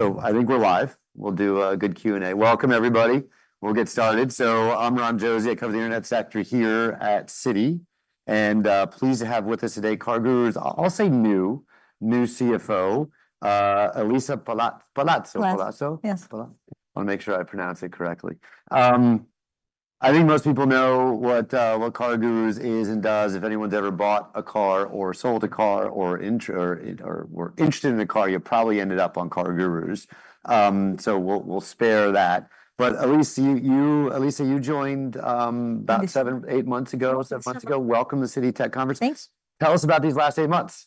So I think we're live. We'll do a good Q&A. Welcome, everybody. We'll get started. So I'm Ron Josey. I cover the internet sector here at Citi, and pleased to have with us today CarGurus. I'll say new CFO, Elisa Palazzo. Palazzo. Palazzo? Yes, Palazzo. I wanna make sure I pronounce it correctly. I think most people know what CarGurus is and does. If anyone's ever bought a car or sold a car or were interested in a car, you probably ended up on CarGurus. So we'll spare that. But Elisa, you joined about seven or eight months ago. Seven months. Welcome to Citi Tech Conference. Thanks. Tell us about these last eight months.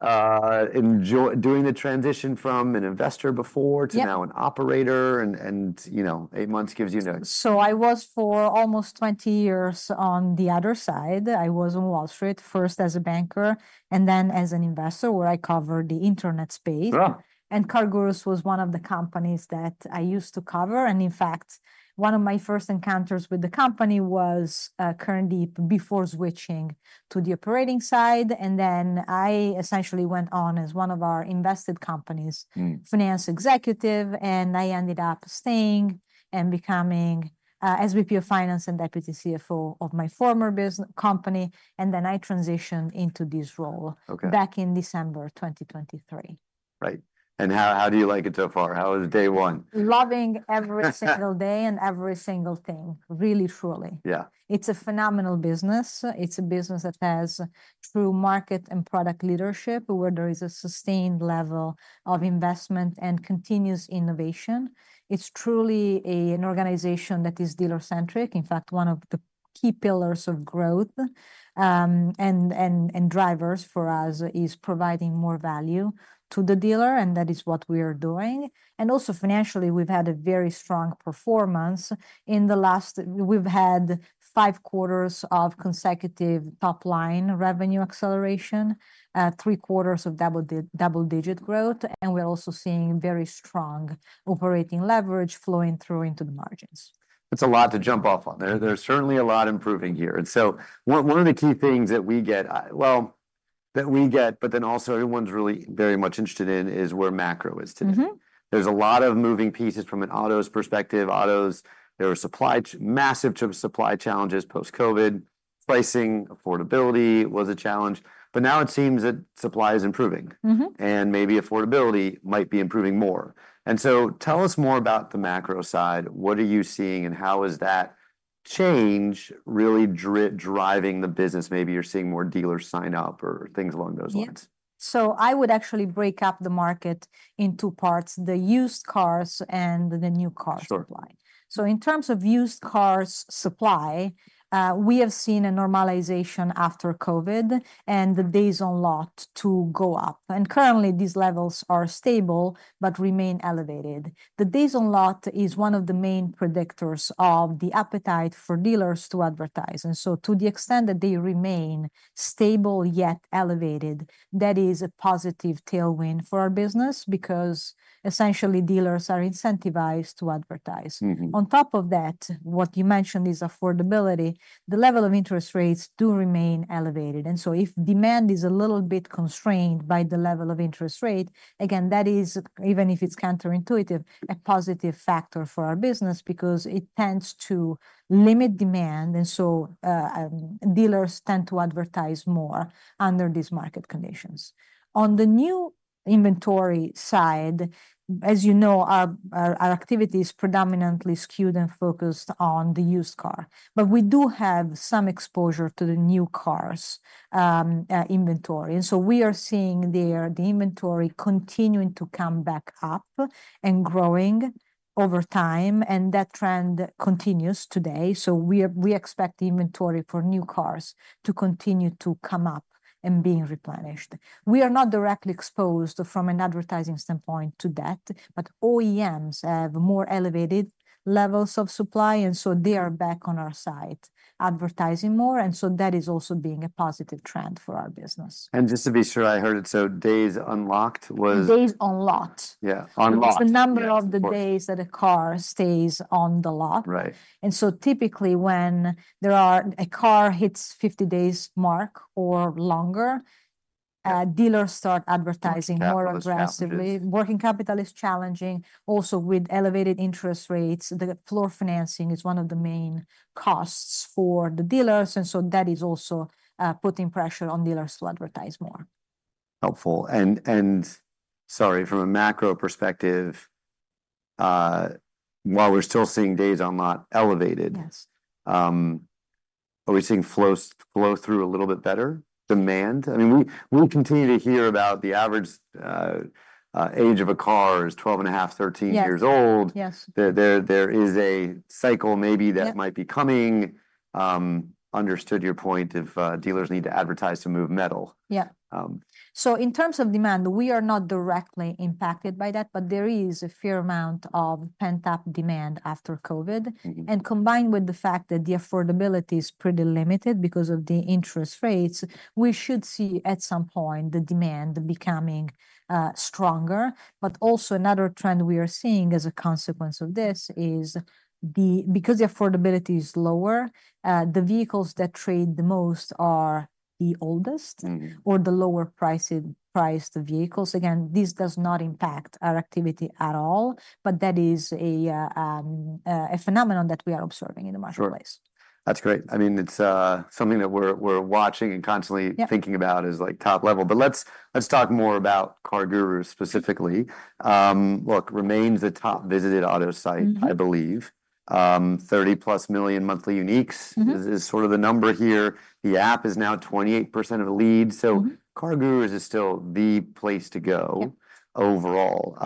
Enjoying doing the transition from an investor before— Yeah. To now an operator and, you know, eight months gives you notes. So I was for almost 20 years on the other side. I was on Wall Street, first as a banker and then as an investor, where I covered the internet space. Yeah. CarGurus was one of the companies that I used to cover, and in fact, one of my first encounters with the company was currently before switching to the operating side. And then I essentially went on as one of our invested company's finance executive, and I ended up staying and becoming, SVP of Finance and Deputy CFO of my former business, company, and then I transitioned into this role back in December 2023. Right. And how do you like it so far? How was day one? Loving every single day and every single thing. Really, truly. Yeah. It's a phenomenal business. It's a business that has true market and product leadership, where there is a sustained level of investment and continuous innovation. It's truly an organization that is dealer-centric. In fact, one of the key pillars of growth and drivers for us is providing more value to the dealer, and that is what we are doing. And also financially, we've had a very strong performance. In the last, we've had five quarters of consecutive top-line revenue acceleration, three quarters of double-digit growth, and we're also seeing very strong operating leverage flowing through into the margins. It's a lot to jump off on there. There's certainly a lot improving here. And so one of the key things that we get, but then also everyone's really very much interested in, is where macro is today. There's a lot of moving pieces from an autos perspective. Autos, there were supply chain massive supply challenges post-COVID. Pricing, affordability was a challenge, but now it seems that supply is improving. Maybe affordability might be improving more. So tell us more about the macro side. What are you seeing, and how is that change really driving the business? Maybe you're seeing more dealers sign up or things along those lines. Yeah. So I would actually break up the market in two parts, the used cars and the new car supply. So in terms of used cars supply, we have seen a normalization after COVID and the days on lot to go up, and currently, these levels are stable but remain elevated. The days on lot is one of the main predictors of the appetite for dealers to advertise, and so to the extent that they remain stable yet elevated, that is a positive tailwind for our business because essentially dealers are incentivized to advertise. On top of that, what you mentioned is affordability. The level of interest rates do remain elevated, and so if demand is a little bit constrained by the level of interest rate, again, that is, even if it's counterintuitive, a positive factor for our business because it tends to limit demand, and so dealers tend to advertise more under these market conditions. On the new inventory side, as you know, our activity is predominantly skewed and focused on the used car, but we do have some exposure to the new cars' inventory, and so we are seeing there, the inventory continuing to come back up and growing over time, and that trend continues today, so we expect the inventory for new cars to continue to come up and being replenished. We are not directly exposed from an advertising standpoint to that, but OEMs have more elevated levels of supply, and so they are back on our site advertising more, and so that is also being a positive trend for our business. Just to be sure I heard it, so days unlocked was— Days on lot. Yeah, on lot. It's the number— Yeah, of course. Of the days that a car stays on the lot. Right. Typically, when a car hits 50 days mark or longer, dealers start advertising. Working capital is challenging. More aggressively. Working capital is challenging. Also, with elevated interest rates, the floor financing is one of the main costs for the dealers, and so that is also, putting pressure on dealers to advertise more. Helpful. And sorry, from a macro perspective, while we're still seeing days on lot elevated— Yes Are we seeing flow-through a little bit better? Demand? I mean, we continue to hear about the average age of a car is 12.5, 13 years old. Yeah. Yes. There is a cycle maybe— Yeah. That might be coming. Understood your point of, dealers need to advertise to move metal. Yeah. So in terms of demand, we are not directly impacted by that, but there is a fair amount of pent-up demand after COVID. Mm-hmm. And combined with the fact that the affordability is pretty limited because of the interest rates, we should see at some point the demand becoming stronger. But also another trend we are seeing as a consequence of this is because the affordability is lower, the vehicles that trade the most are the oldest. Mm-hmm. Or the lower priced vehicles. Again, this does not impact our activity at all, but that is a phenomenon that we are observing in the marketplace. That's great. I mean, it's something that we're watching and constantly— Yep. Thinking about as, like, top level. But let's talk more about CarGurus specifically. Look, remains the top-visited auto site— Mm-hmm. I believe, 30+ million monthly uniques. Mm-hmm. Is sort of the number here. The app is now 28% of leads, so— Mm-hmm. CarGurus is still the place to go— Yep Overall.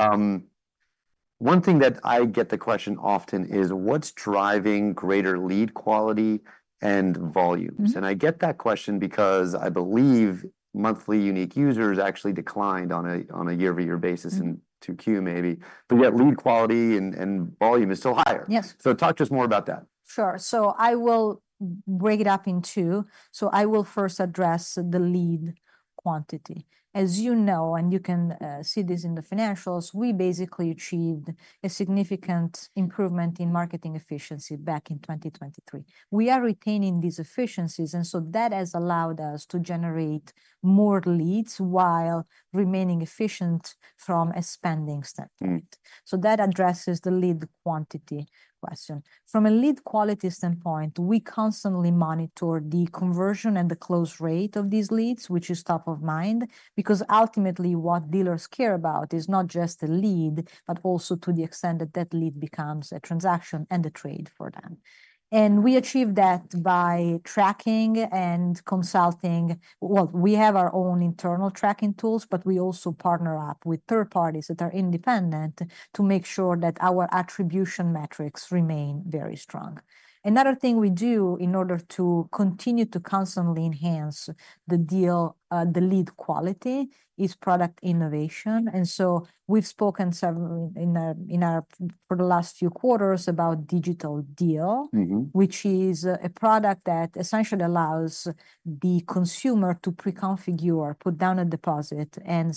One thing that I get the question often is, what's driving greater lead quality and volumes? Mm-hmm. I get that question because I believe monthly unique users actually declined on a year-over-year basis, in 2Q maybe. Mm. But yet lead quality and volume is still higher. Yes. So, talk to us more about that. Sure. So I will break it up in two. So I will first address the lead quantity. As you know, and you can see this in the financials, we basically achieved a significant improvement in marketing efficiency back in 2023. We are retaining these efficiencies, and so that has allowed us to generate more leads while remaining efficient from a spending standpoint. Mm. So that addresses the lead quantity question. From a lead quality standpoint, we constantly monitor the conversion and the close rate of these leads, which is top of mind, because ultimately what dealers care about is not just the lead, but also to the extent that that lead becomes a transaction and a trade for them. And we achieve that by tracking and consulting. Well, we have our own internal tracking tools, but we also partner up with third parties that are independent to make sure that our attribution metrics remain very strong. Another thing we do in order to continue to constantly enhance the deal, the lead quality, is product innovation. And so we've spoken for the last few quarters about Digital Deal ,which is a product that essentially allows the consumer to pre-configure, put down a deposit, and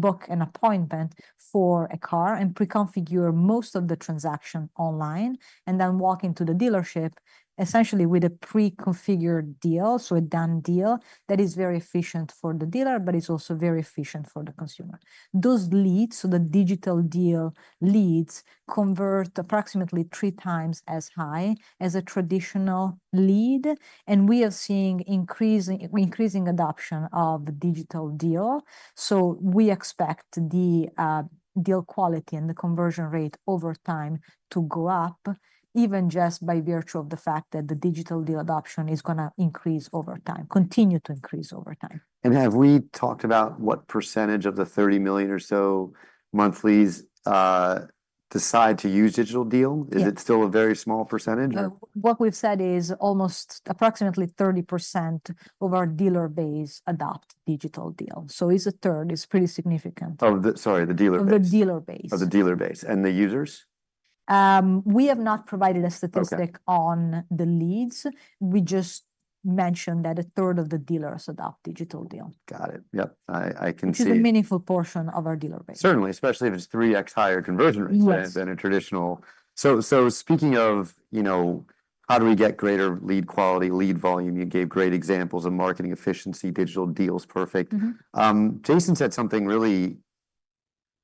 book an appointment for a car, and pre-configure most of the transaction online, and then walk into the dealership essentially with a pre-configured deal. So a done deal that is very efficient for the dealer, but it's also very efficient for the consumer. Those leads, so the Digital Deal leads, convert approximately three times as high as a traditional lead, and we are seeing increasing adoption of the Digital Deal. So we expect the deal quality and the conversion rate over time to go up, even just by virtue of the fact that the Digital Deal adoption is gonna increase over time, continue to increase over time. Have we talked about what percentage of the 30 million or so monthlies decide to use Digital Deal? Yeah. Is it still a very small percentage, or? What we've said is almost approximately 30% of our dealer base adopt Digital Deal. So it's a third, it's pretty significant. Sorry, the dealer base. Of the dealer base. Of the dealer base. And the users? We have not provided a statistic. Okay. On the leads. We just mentioned that a 1/3 of the dealers adopt Digital Deal. Got it. Yep. I can see- Which is a meaningful portion of our dealer base. Certainly, especially if it's 3X higher conversion rate— Yes Than a traditional. So, speaking of, you know, how do we get greater lead quality, lead volume? You gave great examples of marketing efficiency, digital deals, perfect. Jason said something really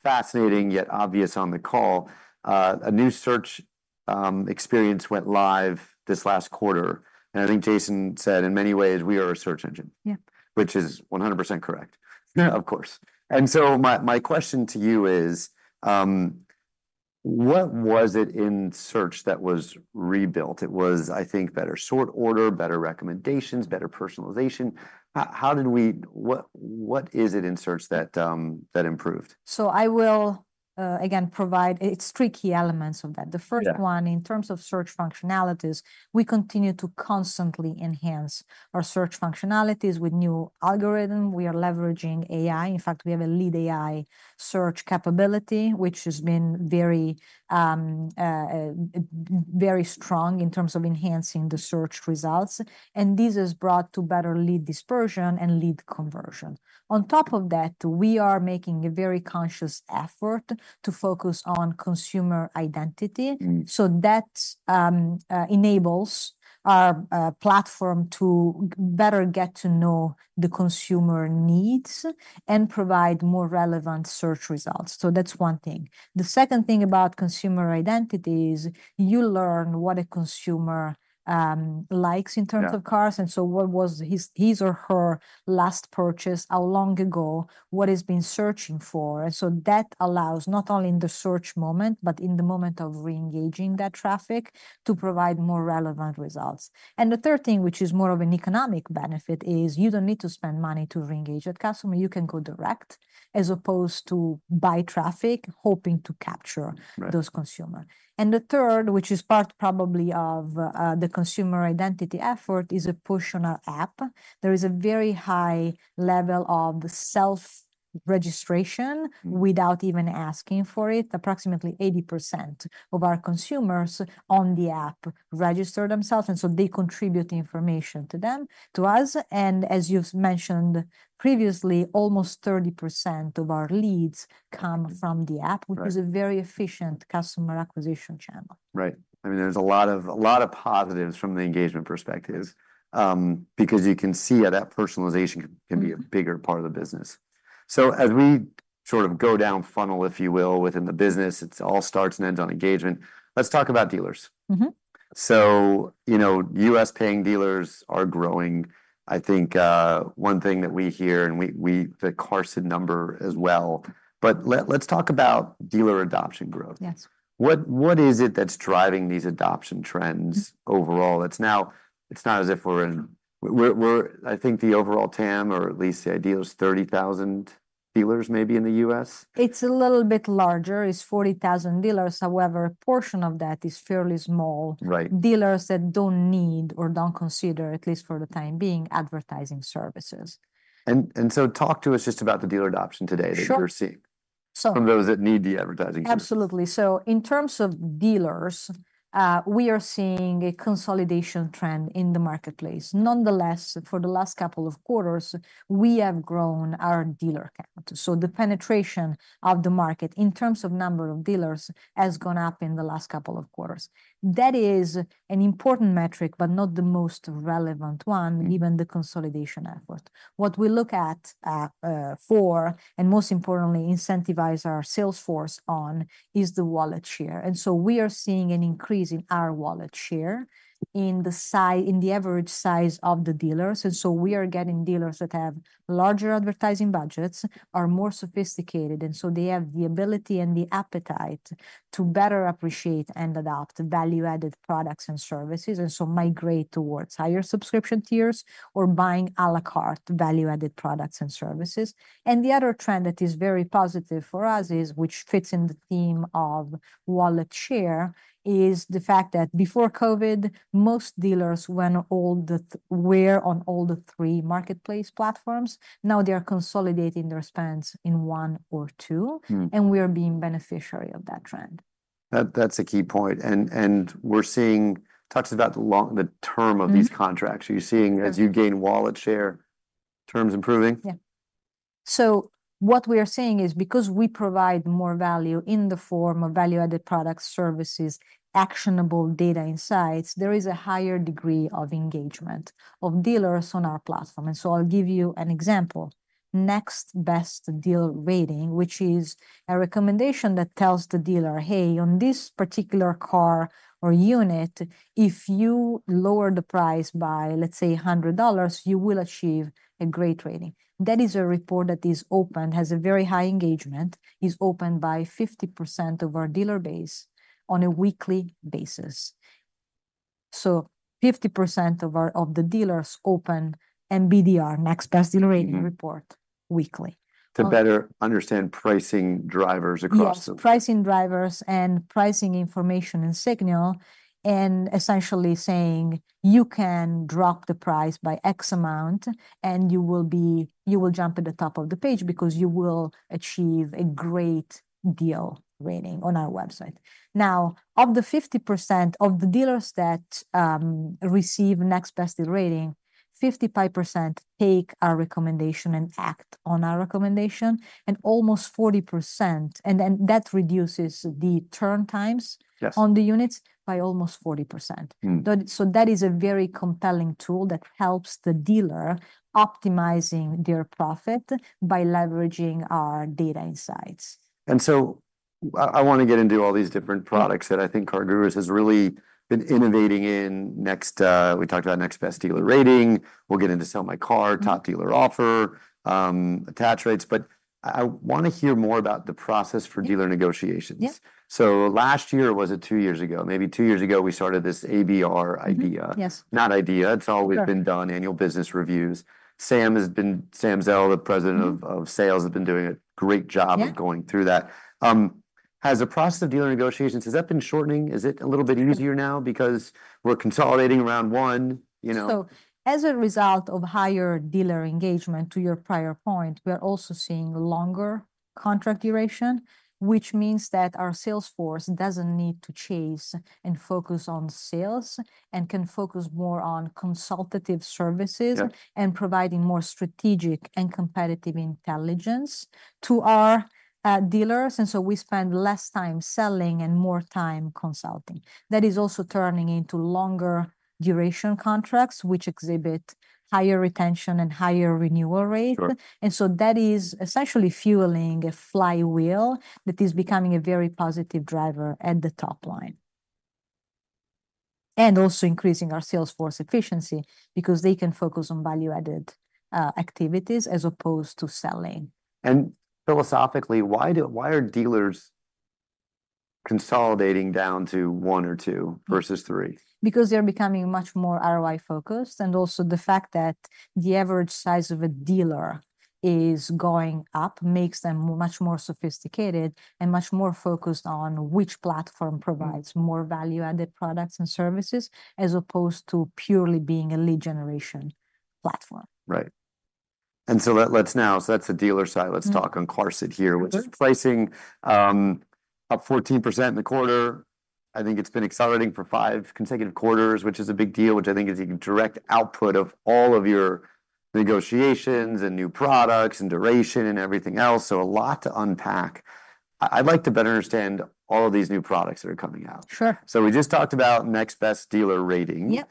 fascinating, yet obvious, on the call. A new search experience went live this last quarter, and I think Jason said, "In many ways, we are a search engine." Yeah. Which is 100% correct. Yeah. Of course. And so my question to you is, what was it in search that was rebuilt? It was, I think, better sort order, better recommendations, better personalization. How did we What is it in search that improved? So I will again provide—it's three key elements of that. Yeah. The first one, in terms of search functionalities, we continue to constantly enhance our search functionalities with new algorithm. We are leveraging AI. In fact, we have a leading AI search capability, which has been very strong in terms of enhancing the search results, and this has led to better lead dispersion and lead conversion. On top of that, we are making a very conscious effort to focus on consumer identity. So that enables our platform to better get to know the consumer needs and provide more relevant search results. So that's one thing. The second thing about consumer identity is you learn what a consumer likes in terms— Yeah. Of cars, and so what was his or her last purchase, how long ago, what he's been searching for. And so that allows not only in the search moment, but in the moment of re-engaging that traffic, to provide more relevant results. And the third thing, which is more of an economic benefit, is you don't need to spend money to re-engage that customer. You can go direct, as opposed to buy traffic, hoping to capture— Right. Those consumers. And the third, which is probably part of the consumer identity effort, is a push on our app. There is a very high level of self-registration without even asking for it. Approximately 80% of our consumers on the app register themselves, and so they contribute the information to them, to us, and as you've mentioned previously, almost 30% of our leads come from the app, which is a very efficient customer acquisition channel. Right. I mean, there's a lot of positives from the engagement perspectives, because you can see how that personalization can be a bigger part of the business. So as we sort of go down funnel, if you will, within the business, it all starts and ends on engagement. Let's talk about dealers. Mm-hmm. So, you know, U.S. paying dealers are growing. I think, one thing that we hear, and we see the CAGR number as well, but let's talk about dealer adoption growth. Yes. What is it that's driving these adoption trends overall? It's not as if we're in—we're I think the overall TAM, or at least the ideal, is 30,000 dealers maybe in the U.S.? It's a little bit larger. It's 40,000 dealers. However, a portion of that is fairly small. Right. Dealers that don't need or don't consider, at least for the time being, advertising services. Talk to us just about the dealer adoption today? Sure That you're seeing. So— From those that need the advertising services. Absolutely. So in terms of dealers, we are seeing a consolidation trend in the marketplace. Nonetheless, for the last couple of quarters, we have grown our dealer count. So the penetration of the market, in terms of number of dealers, has gone up in the last couple of quarters. That is an important metric, but not the most relevant one, given the consolidation effort. What we look at, for, and most importantly, incentivize our sales force on, is the wallet share. And so we are seeing an increase in our wallet share in the average size of the dealers, and so we are getting dealers that have larger advertising budgets, are more sophisticated, and so they have the ability and the appetite to better appreciate and adopt value-added products and services, and so migrate towards higher subscription tiers or buying à la carte value-added products and services. And the other trend that is very positive for us is, which fits in the theme of wallet share, is the fact that before COVID, most dealers, when they were on all three marketplace platforms. Now they are consolidating their spends in one or two- Mm. And we are beneficiaries of that trend. That, that's a key point, and we're seeing. Talk to us about the long term. Mm Of these contracts. Are you seeing, as you gain wallet share, terms improving? Yeah. So what we are seeing is because we provide more value in the form of value-added products, services, actionable data insights, there is a higher degree of engagement of dealers on our platform, and so I'll give you an example. Next Best Deal Rating, which is a recommendation that tells the dealer, "Hey, on this particular car or unit, if you lower the price by, let's say, $100, you will achieve a great rating." That is a report that is opened, has a very high engagement, is opened by 50% of our dealer base on a weekly basis. So 50% of our dealers open NBDR, Next Best Deal Rating report weekly. To better understand pricing drivers across the- Yes, pricing drivers and pricing information and signal, and essentially saying, "You can drop the price by X amount, and you will jump at the top of the page because you will achieve a great deal rating on our website." Now, of the 50% of the dealers that receive Next Best Deal Rating, 55% take our recommendation and act on our recommendation, and almost 40%, and then that reduces the turn times— Yes. On the units by almost 40%. Mm. So that is a very compelling tool that helps the dealer optimizing their profit by leveraging our data insights. And so I wanna get into all these different products that I think CarGurus has really been innovating in Next. We talked about Next Best Deal Rating. We'll get into Sell My Car— Mm. Top Dealer Offer, attach rates, but I wanna hear more about the process for dealer negotiations. Yeah. Last year, or was it two years ago? Maybe two years ago, we started this ABR idea. Mm-hmm. Yes. Not idea. Sure. It's always been done, annual business reviews. Sam Zales, the President of Sales, has been doing a great job— Yeah. Of going through that. Has the process of dealer negotiations, has that been shortening? Is it a little bit easier now because we're consolidating around one, you know? So as a result of higher dealer engagement, to your prior point, we are also seeing longer contract duration, which means that our sales force doesn't need to chase and focus on sales, and can focus more on consultative services. Yeah. And providing more strategic and competitive intelligence to our dealers, and so we spend less time selling and more time consulting. That is also turning into longer duration contracts, which exhibit higher retention and higher renewal rate. Sure. And so that is essentially fueling a flywheel that is becoming a very positive driver at the top line, and also increasing our sales force efficiency, because they can focus on value-added activities as opposed to selling. Philosophically, why are dealers consolidating down to one, or two, versus three? Because they're becoming much more ROI-focused, and also the fact that the average size of a dealer is going up makes them much more sophisticated and much more focused on which platform provides— Mm. More value-added products and services, as opposed to purely being a lead generation platform. Right. And so, let's now So that's the dealer side. Mm. Let's talk on CarGurus here— Mm-hmm. Which is pricing up 14% in the quarter. I think it's been accelerating for five consecutive quarters, which is a big deal, which I think is a direct output of all of your negotiations, and new products, and duration, and everything else, so a lot to unpack. I'd like to better understand all of these new products that are coming out. Sure. So we just talked about Next Best Deal Rating. Yep.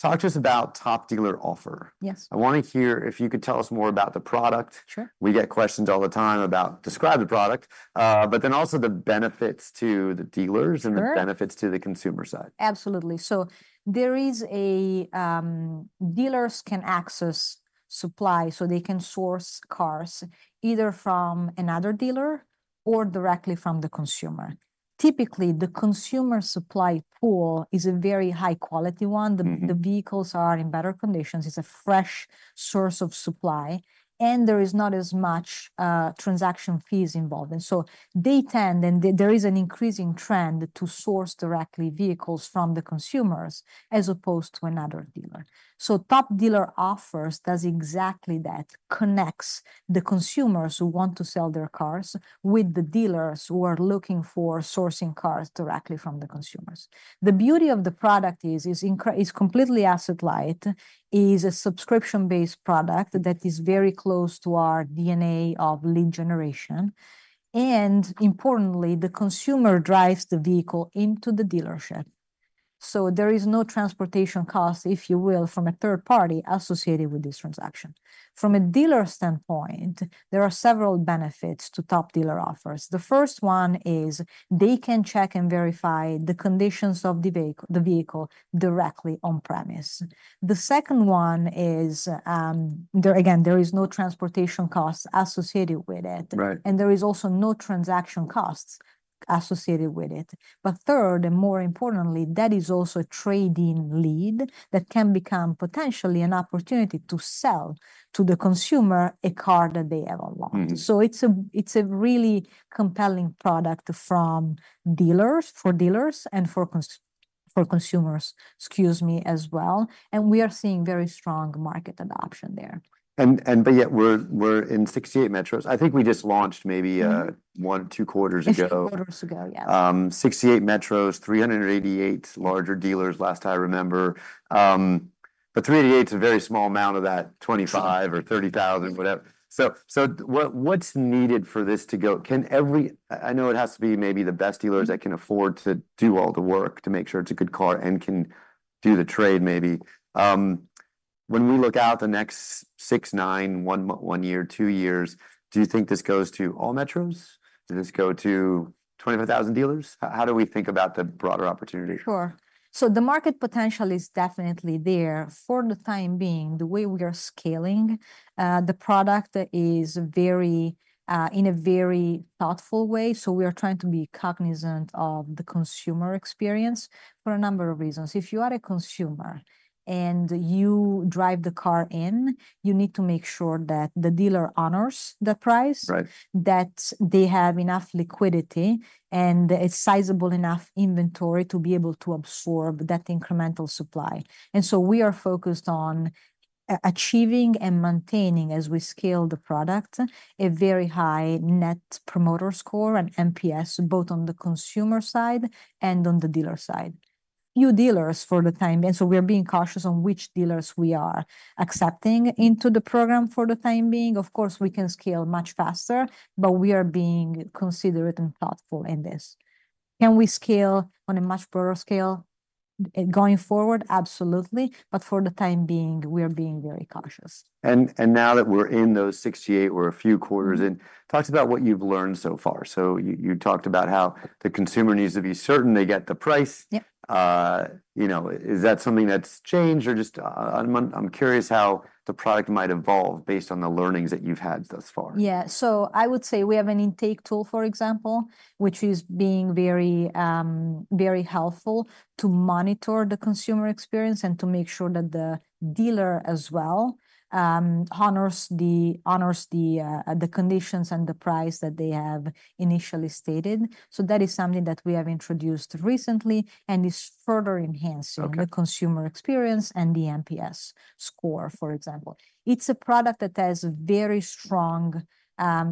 Talk to us about Top Dealer Offer? Yes. I wanna hear, if you could tell us more about the product? Sure. We get questions all the time about, "Describe the product," but then also the benefits to the dealers— Sure. And the benefits to the consumer side. Absolutely. So there is a supply, so they can source cars, either from another dealer or directly from the consumer. Typically, the consumer supply pool is a very high-quality one. Mm-hmm. The vehicles are in better conditions. It's a fresh source of supply, and there is not as much transaction fees involved. And so they tend, and there is an increasing trend to source directly vehicles from the consumers as opposed to another dealer. So Top Dealer Offers does exactly that, connects the consumers who want to sell their cars with the dealers who are looking for sourcing cars directly from the consumers. The beauty of the product is completely asset-light, is a subscription-based product. Mm. That is very close to our DNA of lead generation, and importantly, the consumer drives the vehicle into the dealership. So there is no transportation cost, if you will, from a third party associated with this transaction. From a dealer standpoint, there are several benefits to Top Dealer Offers. The first one is they can check and verify the conditions of the vehicle directly on premises. The second one is, again, there is no transportation costs associated with it. Right. And there is also no transaction costs associated with it. But third, and more importantly, that is also a trade-in lead that can become potentially an opportunity to sell to the consumer a car that they have online. Mm-hmm. So it's a really compelling product from dealers, for dealers, and for consumers, excuse me, as well, and we are seeing very strong market adoption there. Yet we're in 68 metros. I think we just launched maybe— Mm. One, two quarters ago. A few quarters ago, Yeah. Sixty-eight metros, 388 larger dealers, last I remember, but 388's a very small amount of that 25 or 30,000, whatever, so what's needed for this to go. Can every—I know it has to be maybe the best dealers— Mm. That can afford to do all the work to make sure it's a good car and can do the trade maybe. When we look out the next six, nine, one year, two years, do you think this goes to all metros? Does this go to 25,000 dealers? How do we think about the broader opportunity? Sure. So the market potential is definitely there. For the time being, the way we are scaling, the product is very, in a very thoughtful way. So we are trying to be cognizant of the consumer experience for a number of reasons. If you are a consumer and you drive the car in, you need to make sure that the dealer honors the price. Right. That they have enough liquidity, and a sizable enough inventory to be able to absorb that incremental supply. And so we are focused on achieving and maintaining, as we scale the product, a very high Net Promoter Score, an NPS, both on the consumer side and on the dealer side. New dealers for the time being, so we are being cautious on which dealers we are accepting into the program for the time being. Of course, we can scale much faster, but we are being considerate and thoughtful in this. Can we scale on a much broader scale, going forward? Absolutely, but for the time being, we are being very cautious. Now that we're in those 68, we're a few quarters in. Talk to us about what you've learned so far. So you talked about how the consumer needs to be certain they get the price. Yep. You know, is that something that's changed? Or just, I'm curious how the product might evolve based on the learnings that you've had thus far. Yeah, so I would say we have an intake tool, for example, which is being very helpful to monitor the consumer experience and to make sure that the dealer as well honors the conditions and the price that they have initially stated. So that is something that we have introduced recently and is further enhancing— Okay. The consumer experience and the NPS score, for example. It's a product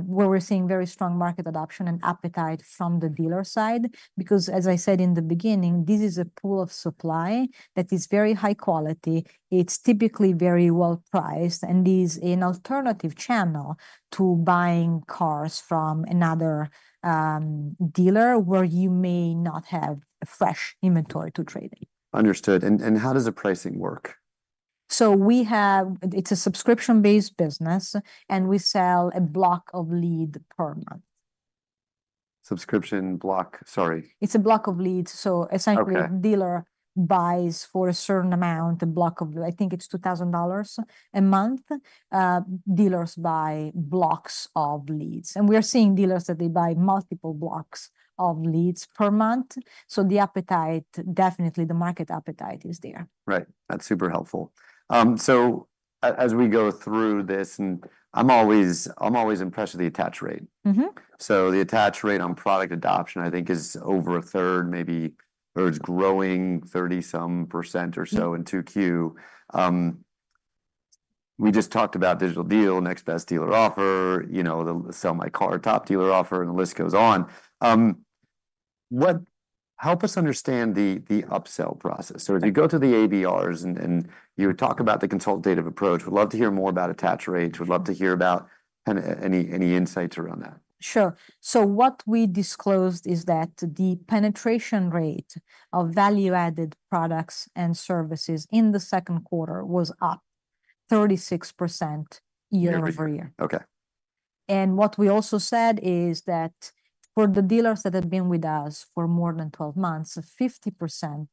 where we're seeing very strong market adoption and appetite from the dealer side. Because, as I said in the beginning, this is a pool of supply that is very high quality. It's typically very well-priced, and is an alternative channel to buying cars from another dealer, where you may not have a fresh inventory to trade in. Understood. And how does the pricing work? It's a subscription-based business, and we sell a block of leads per month. Subscription block, sorry. It's a block of leads, so essentially— Okay. The dealer buys, for a certain amount, a block of lead. I think it's $2,000 a month. Dealers buy blocks of leads, and we are seeing dealers that they buy multiple blocks of leads per month, so the appetite, definitely the market appetite is there. Right. That's super helpful. So as we go through this, and I'm always, I'm always impressed with the attach rate. Mm-hmm. So the attach rate on product adoption, I think, is over a 1/3, maybe, or it's growing 30% or so. Mm. In 2Q. We just talked about Digital Deal, Next Best Dealer Offer, you know, the Sell My Car, Top Dealer Offer, and the list goes on. Help us understand the upsell process. Okay. So if you go to the ADRs, and you talk about the consultative approach, we'd love to hear more about attach rates. We'd love to hear about any insights around that. Sure. So what we disclosed is that the penetration rate of value-added products and services in the second quarter was up 36% year-over-year. Okay. And what we also said is that for the dealers that have been with us for more than 12 months, 50%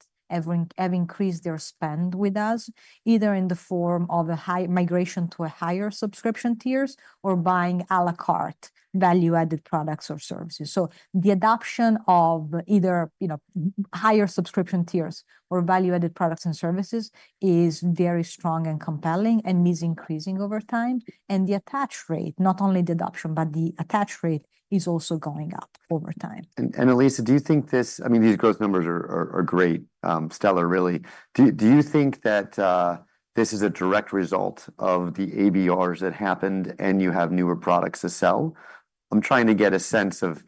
have increased their spend with us, either in the form of a higher migration to higher subscription tiers or buying à la carte value-added products or services. So the adoption of either, you know, higher subscription tiers or value-added products and services is very strong and compelling, and is increasing over time. And the attach rate, not only the adoption, but the attach rate is also going up over time. Elisa, do you think this, I mean, these growth numbers are great, stellar really. Do you think that this is a direct result of the ABRs that happened and you have newer products to sell? I'm trying to get a sense of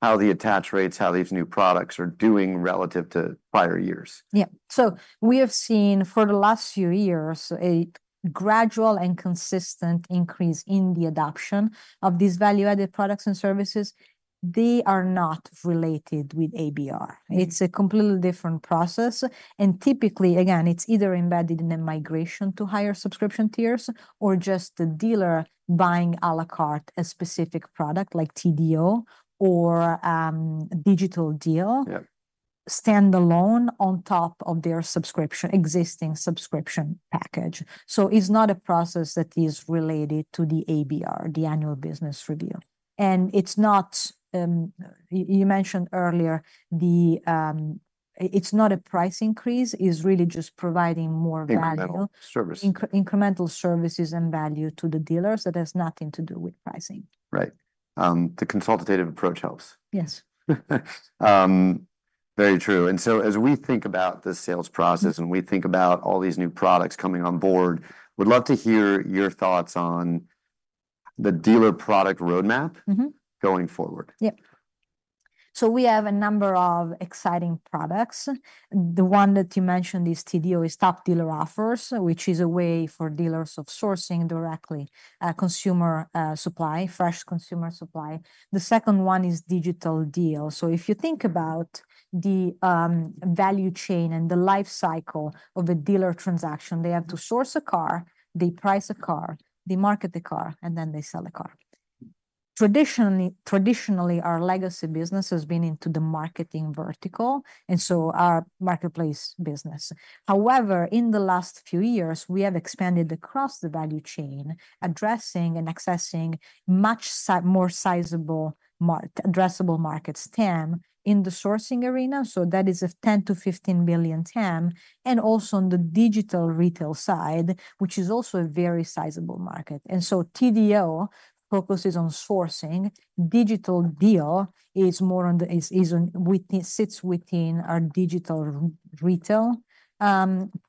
how the attach rates, how these new products are doing relative to prior years. Yeah. So we have seen for the last few years, a gradual and consistent increase in the adoption of these value-added products and services. They are not related with ABR. It's a completely different process, and typically, again, it's either embedded in a migration to higher subscription tiers, or just the dealer buying à la carte, a specific product like TDO or, Digital Deal— Yeah. Standalone on top of their subscription, existing subscription package. So it's not a process that is related to the ABR, the annual business review. And it's not, you mentioned earlier, it's not a price increase, it's really just providing more value. Incremental services. Incremental services and value to the dealers. It has nothing to do with pricing. Right. The consultative approach helps. Yes. Very true, and so as we think about the sales process, and we think about all these new products coming on board, would love to hear your thoughts on the dealer product roadmap? Mm-hmm. going forward. Yeah. So we have a number of exciting products. The one that you mentioned, the TDO, is Top Dealer Offers, which is a way for dealers of sourcing directly, consumer supply, fresh consumer supply. The second one is Digital Deal. So if you think about the value chain and the life cycle of a dealer transaction, they have to source a car, they price a car, they market the car, and then they sell the car. Traditionally, our legacy business has been into the marketing vertical, and so our marketplace business. However, in the last few years, we have expanded across the value chain, addressing and accessing much more sizable addressable market TAM in the sourcing arena, so that is a $10 billion-15 billion TAM, and also on the digital retail side, which is also a very sizable market. And so TDO focuses on sourcing. Digital Deal is more on the retail, sits within our digital retail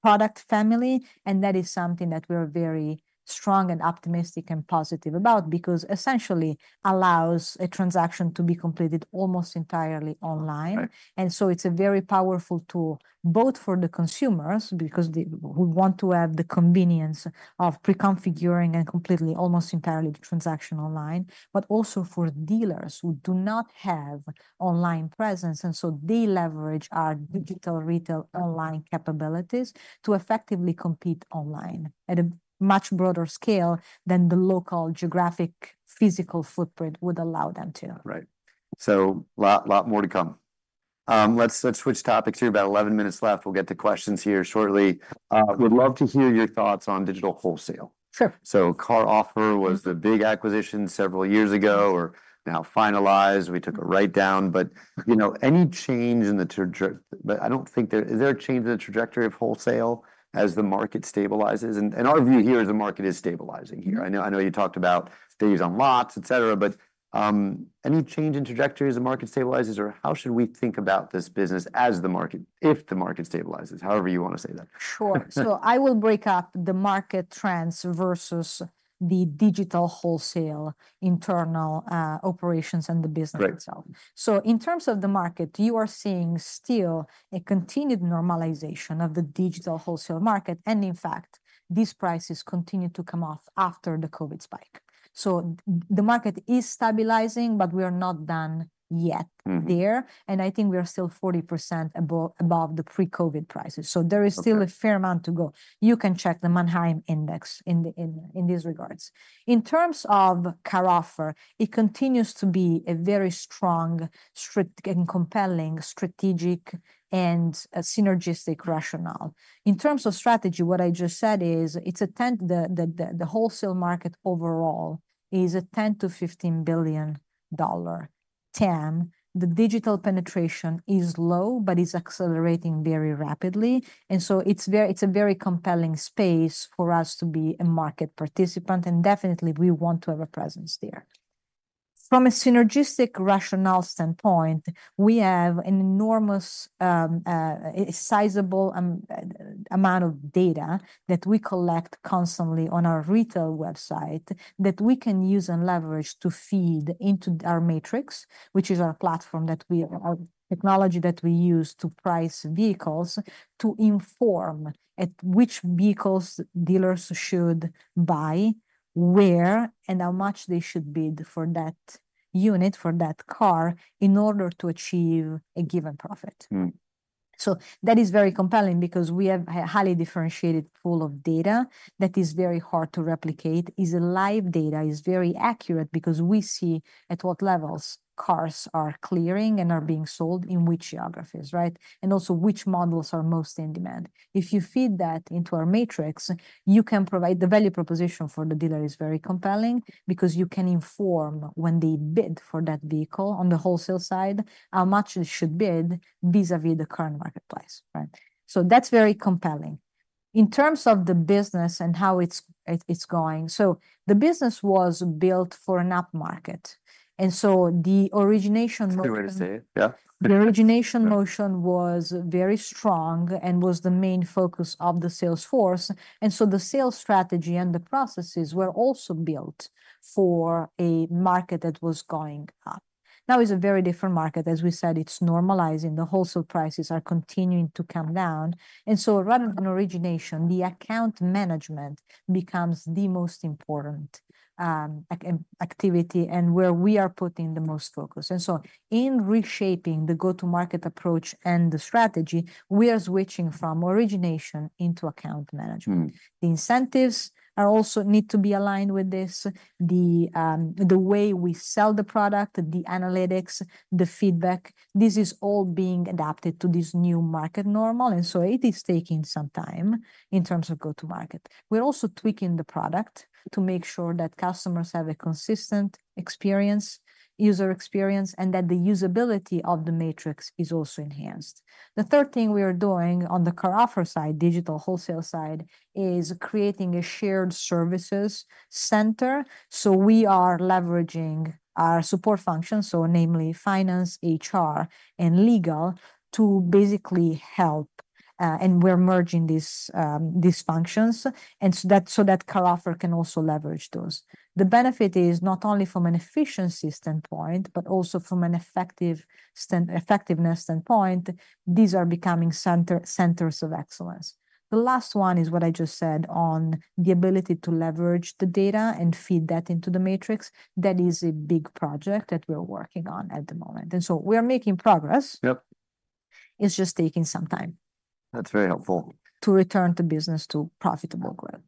product family, and that is something that we're very strong, and optimistic, and positive about because essentially allows a transaction to be completed almost entirely online. Right. And so it's a very powerful tool, both for the consumers, because they, we want to have the convenience of pre-configuring and completely, almost entirely the transaction online, but also for dealers who do not have online presence, and so they leverage our digital retail online capabilities to effectively compete online at a much broader scale than the local, geographic, physical footprint would allow them to. Right. So, a lot, a lot more to come. Let's switch topics here. About 11 minutes left. We'll get to questions here shortly. Would love to hear your thoughts on digital wholesale. Sure. So CarOffer was the big acquisition several years ago, are now finalized. We took a write-down, but, you know, any change in the trajectory but I don't think there. Is there a change in the trajectory of wholesale as the market stabilizes? And our view here is the market is stabilizing here. I know, I know you talked about days on lots, et cetera, but any change in trajectory as the market stabilizes, or how should we think about this business as the market if the market stabilizes? However you wanna say that. Sure. So I will break up the market trends versus the digital wholesale internal, operations and the business— Right. Itself. So in terms of the market, you are seeing still a continued normalization of the digital wholesale market, and in fact, these prices continue to come off after the COVID spike. So the market is stabilizing, but we are not done yet there. Mm. I think we are still 40% above the pre-COVID prices. Okay. There is still a fair amount to go. You can check the Manheim Index in these regards. In terms of CarOffer, it continues to be a very strong, strict, and compelling, strategic, and a synergistic rationale. In terms of strategy, what I just said is, it's a $10 billion-$15 billion TAM. The digital penetration is low, but is accelerating very rapidly, and so it's very compelling space for us to be a market participant, and definitely we want to have a presence there. From a synergistic rationale standpoint, we have an enormous, a sizable amount of data that we collect constantly on our retail website, that we can use and leverage to feed into our Matrix, which is our platform that we, technology that we use to price vehicles, to inform at which vehicles dealers should buy, where, and how much they should bid for that unit, for that car, in order to achieve a given profit. Mm. So that is very compelling because we have a highly differentiated pool of data that is very hard to replicate. It's live data, it's very accurate because we see at what levels cars are clearing and are being sold, in which geographies, Right? And also, which models are most in demand. If you feed that into our Matrix, you can provide the value proposition for the dealer is very compelling because you can inform when they bid for that vehicle on the wholesale side, how much they should bid vis-à-vis the current marketplace, Right? So that's very compelling. In terms of the business and how it's going, so the business was built for an upmarket, and so the origination motion- I was gonna say, Yeah. The origination momentum was very strong and was the main focus of the sales force, and so the sales strategy and the processes were also built for a market that was going up. Now, it's a very different market. As we said, it's normalizing. The wholesale prices are continuing to come down, and so rather than origination, the account management becomes the most important activity, and where we are putting the most focus. And so in reshaping the go-to-market approach and the strategy, we are switching from origination into account management. Mm. The incentives are also need to be aligned with this. The way we sell the product, the analytics, the feedback, this is all being adapted to this new market normal, and so it is taking some time in terms of go-to-market. We're also tweaking the product to make sure that customers have a consistent experience, user experience, and that the usability of the Matrix is also enhanced. The third thing we are doing on the CarOffer side, digital wholesale side, is creating a shared services center, so we are leveraging our support functions, so namely finance, HR, and legal, to basically help. And we're merging these functions, and so that, so that CarOffer can also leverage those. The benefit is not only from an efficiency standpoint, but also from an effectiveness standpoint. These are becoming centers of excellence. The last one is what I just said on the ability to leverage the data and feed that into the Matrix. That is a big project that we're working on at the moment, and so we are making progress. Yep. It's just taking some time— That's very helpful. To return the business to profitable growth.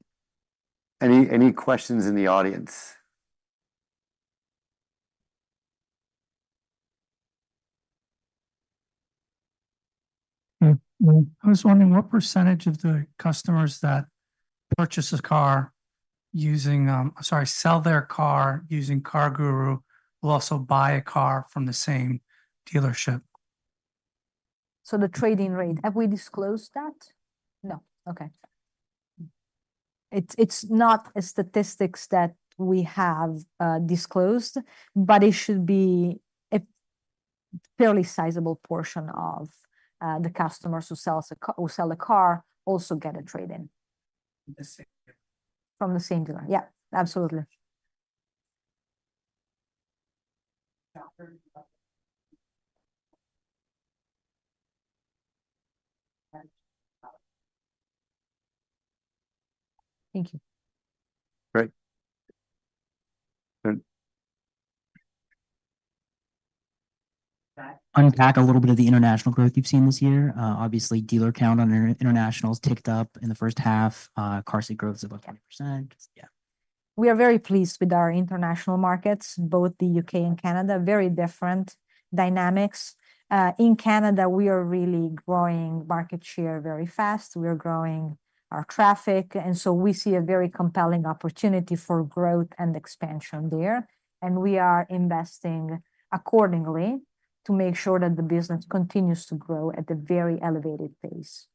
Any questions in the audience? Well, I was wondering what percentage of the customers that purchase a car using, sell their car using CarGurus, will also buy a car from the same dealership? So the trading rate, have we disclosed that? No. Okay. It's not a statistic that we have disclosed, but it should be a fairly sizable portion of the customers who sell a car, also get a trade-in. The same? From the same dealer. Yeah, absolutely. Yeah. Thank you. Great. Good. Unpack a little bit of the international growth you've seen this year. Obviously, dealer count on your internationals ticked up in the first half. CarGurus growth is about 20%. Yeah. We are very pleased with our international markets, both the U.K. and Canada. Very different dynamics. In Canada, we are really growing market share very fast. We are growing our traffic, and so we see a very compelling opportunity for growth and expansion there, and we are investing accordingly to make sure that the business continues to grow at a very elevated pace.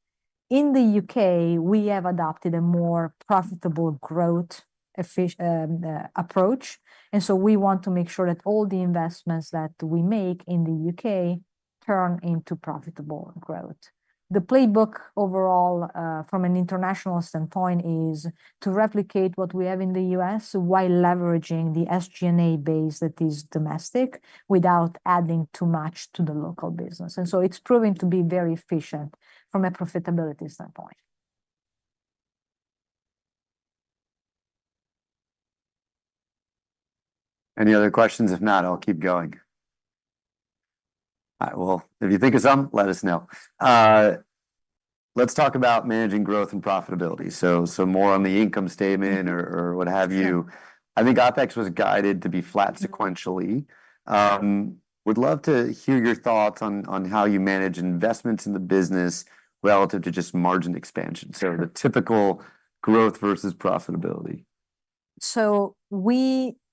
In the U.K, we have adopted a more profitable growth, efficient, approach, and so we want to make sure that all the investments that we make in the U.K. turn into profitable growth. The playbook overall, from an international standpoint, is to replicate what we have in the U.S. while leveraging the SG&A base that is domestic, without adding too much to the local business, and so it's proving to be very efficient from a profitability standpoint. Any other questions? If not, I'll keep going, well, if you think of some, let us know. Let's talk about managing growth and profitability, so more on the income statement or what have you. I think OpEx was guided to be flat sequentially. Would love to hear your thoughts on how you manage investments in the business relative to just margin expansion. Sure. So the typical growth versus profitability.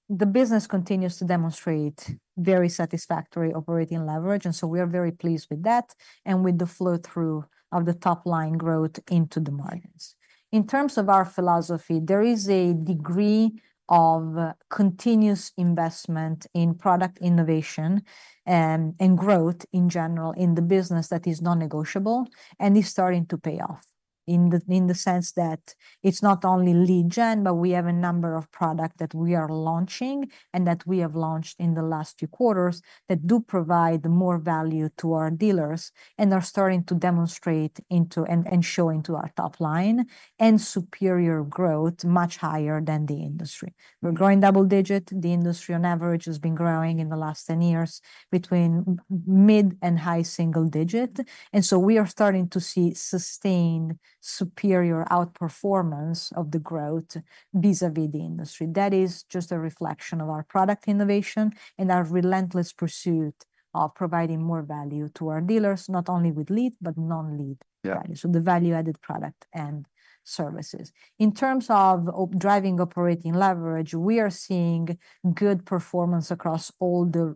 The business continues to demonstrate very satisfactory operating leverage, and so we are very pleased with that, and with the flow-through of the top-line growth into the margins. In terms of our philosophy, there is a degree of continuous investment in product innovation, and growth in general in the business that is non-negotiable and is starting to pay off, in the sense that it's not only lead gen, but we have a number of product that we are launching and that we have launched in the last few quarters, that do provide more value to our dealers and are starting to demonstrate into, and showing to our top line, and superior growth, much higher than the industry. We're growing double-digit. The industry, on average, has been growing in the last ten years between mid- and high-single-digit, and so we are starting to see sustained, superior outperformance of the growth vis-a-vis the industry. That is just a reflection of our product innovation and our relentless pursuit of providing more value to our dealers, not only with lead, but non-lead. Yeah. So the value-added product and services. In terms of driving operating leverage, we are seeing good performance across all the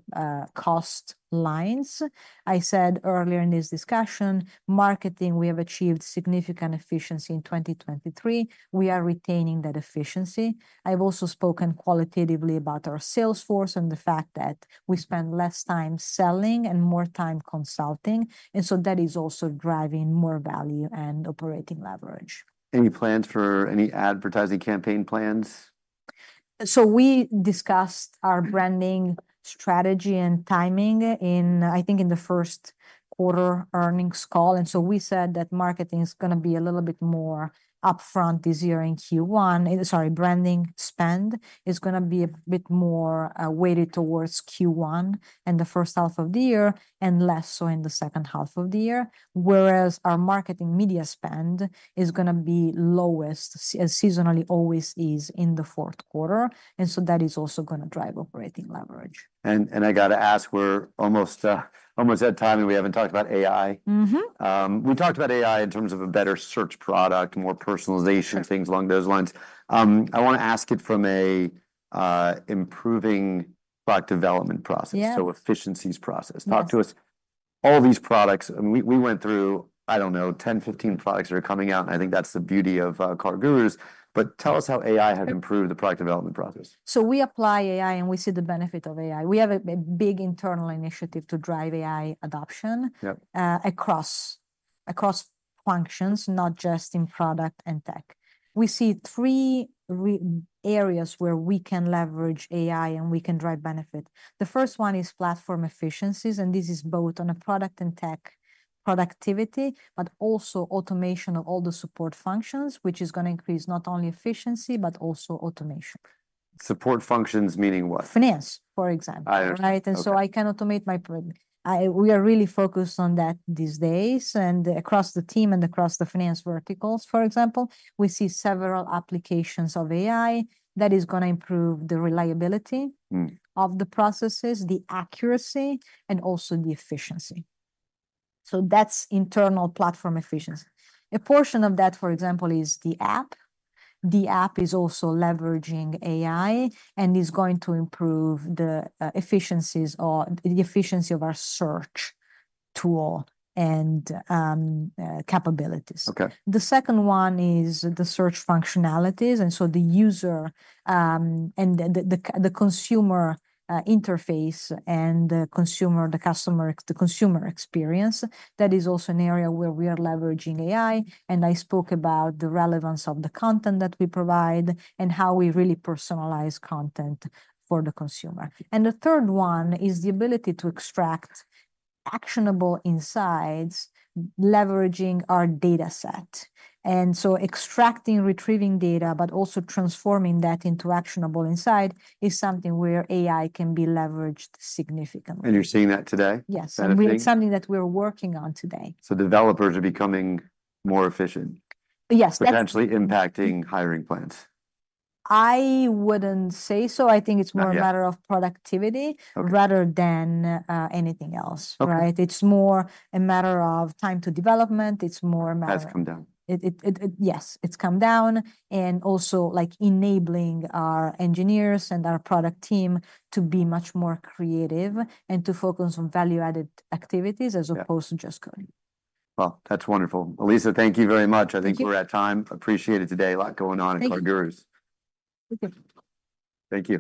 cost lines. I said earlier in this discussion, marketing, we have achieved significant efficiency in 2023. We are retaining that efficiency. I've also spoken qualitatively about our sales force and the fact that we spend less time selling and more time consulting, and so that is also driving more value and operating leverage. Any plans for advertising campaign plans? So we discussed our branding strategy and timing in, I think, in the first quarter earnings call. And so we said that marketing is gonna be a little bit more upfront this year in Q1. Branding spend is gonna be a bit more weighted towards Q1 and the first half of the year, and less so in the second half of the year. Whereas, our marketing media spend is gonna be lowest, as seasonally always is, in the fourth quarter, and so that is also gonna drive operating leverage. And I gotta ask, we're almost at time, and we haven't talked about AI. Mm-hmm. We talked about AI in terms of a better search product, more personalization— Sure. Things along those lines. I wanna ask it from a, improving product development process— Yeah. So efficiencies process. Yes. Talk to us, all these products, I mean, we went through, I don't know, 10, 15 products that are coming out, and I think that's the beauty of CarGurus, but tell us how AI has improved the product development process. So we apply AI, and we see the benefit of AI. We have a big internal initiative to drive AI adoption— Yep. Across functions, not just in product and tech. We see three areas where we can leverage AI, and we can drive benefit. The first one is platform efficiencies, and this is both on a product and tech productivity, but also automation of all the support functions, which is gonna increase not only efficiency, but also automation. Support functions meaning what? Finance, for example. I understand. Right? Okay. We are really focused on that these days, and across the team and across the finance verticals, for example, we see several applications of AI that is gonna improve the reliability— Mm. Of the processes, the accuracy, and also the efficiency. So that's internal platform efficiency. A portion of that, for example, is the app. The app is also leveraging AI and is going to improve the efficiencies or the efficiency of our search tool and capabilities. Okay. The second one is the search functionalities, and so the user, and the consumer interface, and the consumer experience, that is also an area where we are leveraging AI. And I spoke about the relevance of the content that we provide, and how we really personalize content for the consumer. And the third one is the ability to extract actionable insights, leveraging our data set. And so extracting, retrieving data, but also transforming that into actionable insight is something where AI can be leveraged significantly. You're seeing that today? Yes. Is that a thing? Really something that we're working on today. Developers are becoming more efficient? Yes. Potentially impacting hiring plans. I wouldn't say so. Not yet. I think it's more a matter of productivity— Okay. Rather than anything else. Okay. Right? It's more a matter of time-to-development. It's more a matter— Has come down. Yes, it's come down, and also, like, enabling our engineers and our product team to be much more creative, and to focus on value-added activities-— Yeah. As opposed to just coding. That's wonderful. Elisa, thank you very much. Thank you. I think we're at time. Appreciate it today. A lot going on at CarGurus. Thank you. Thank you.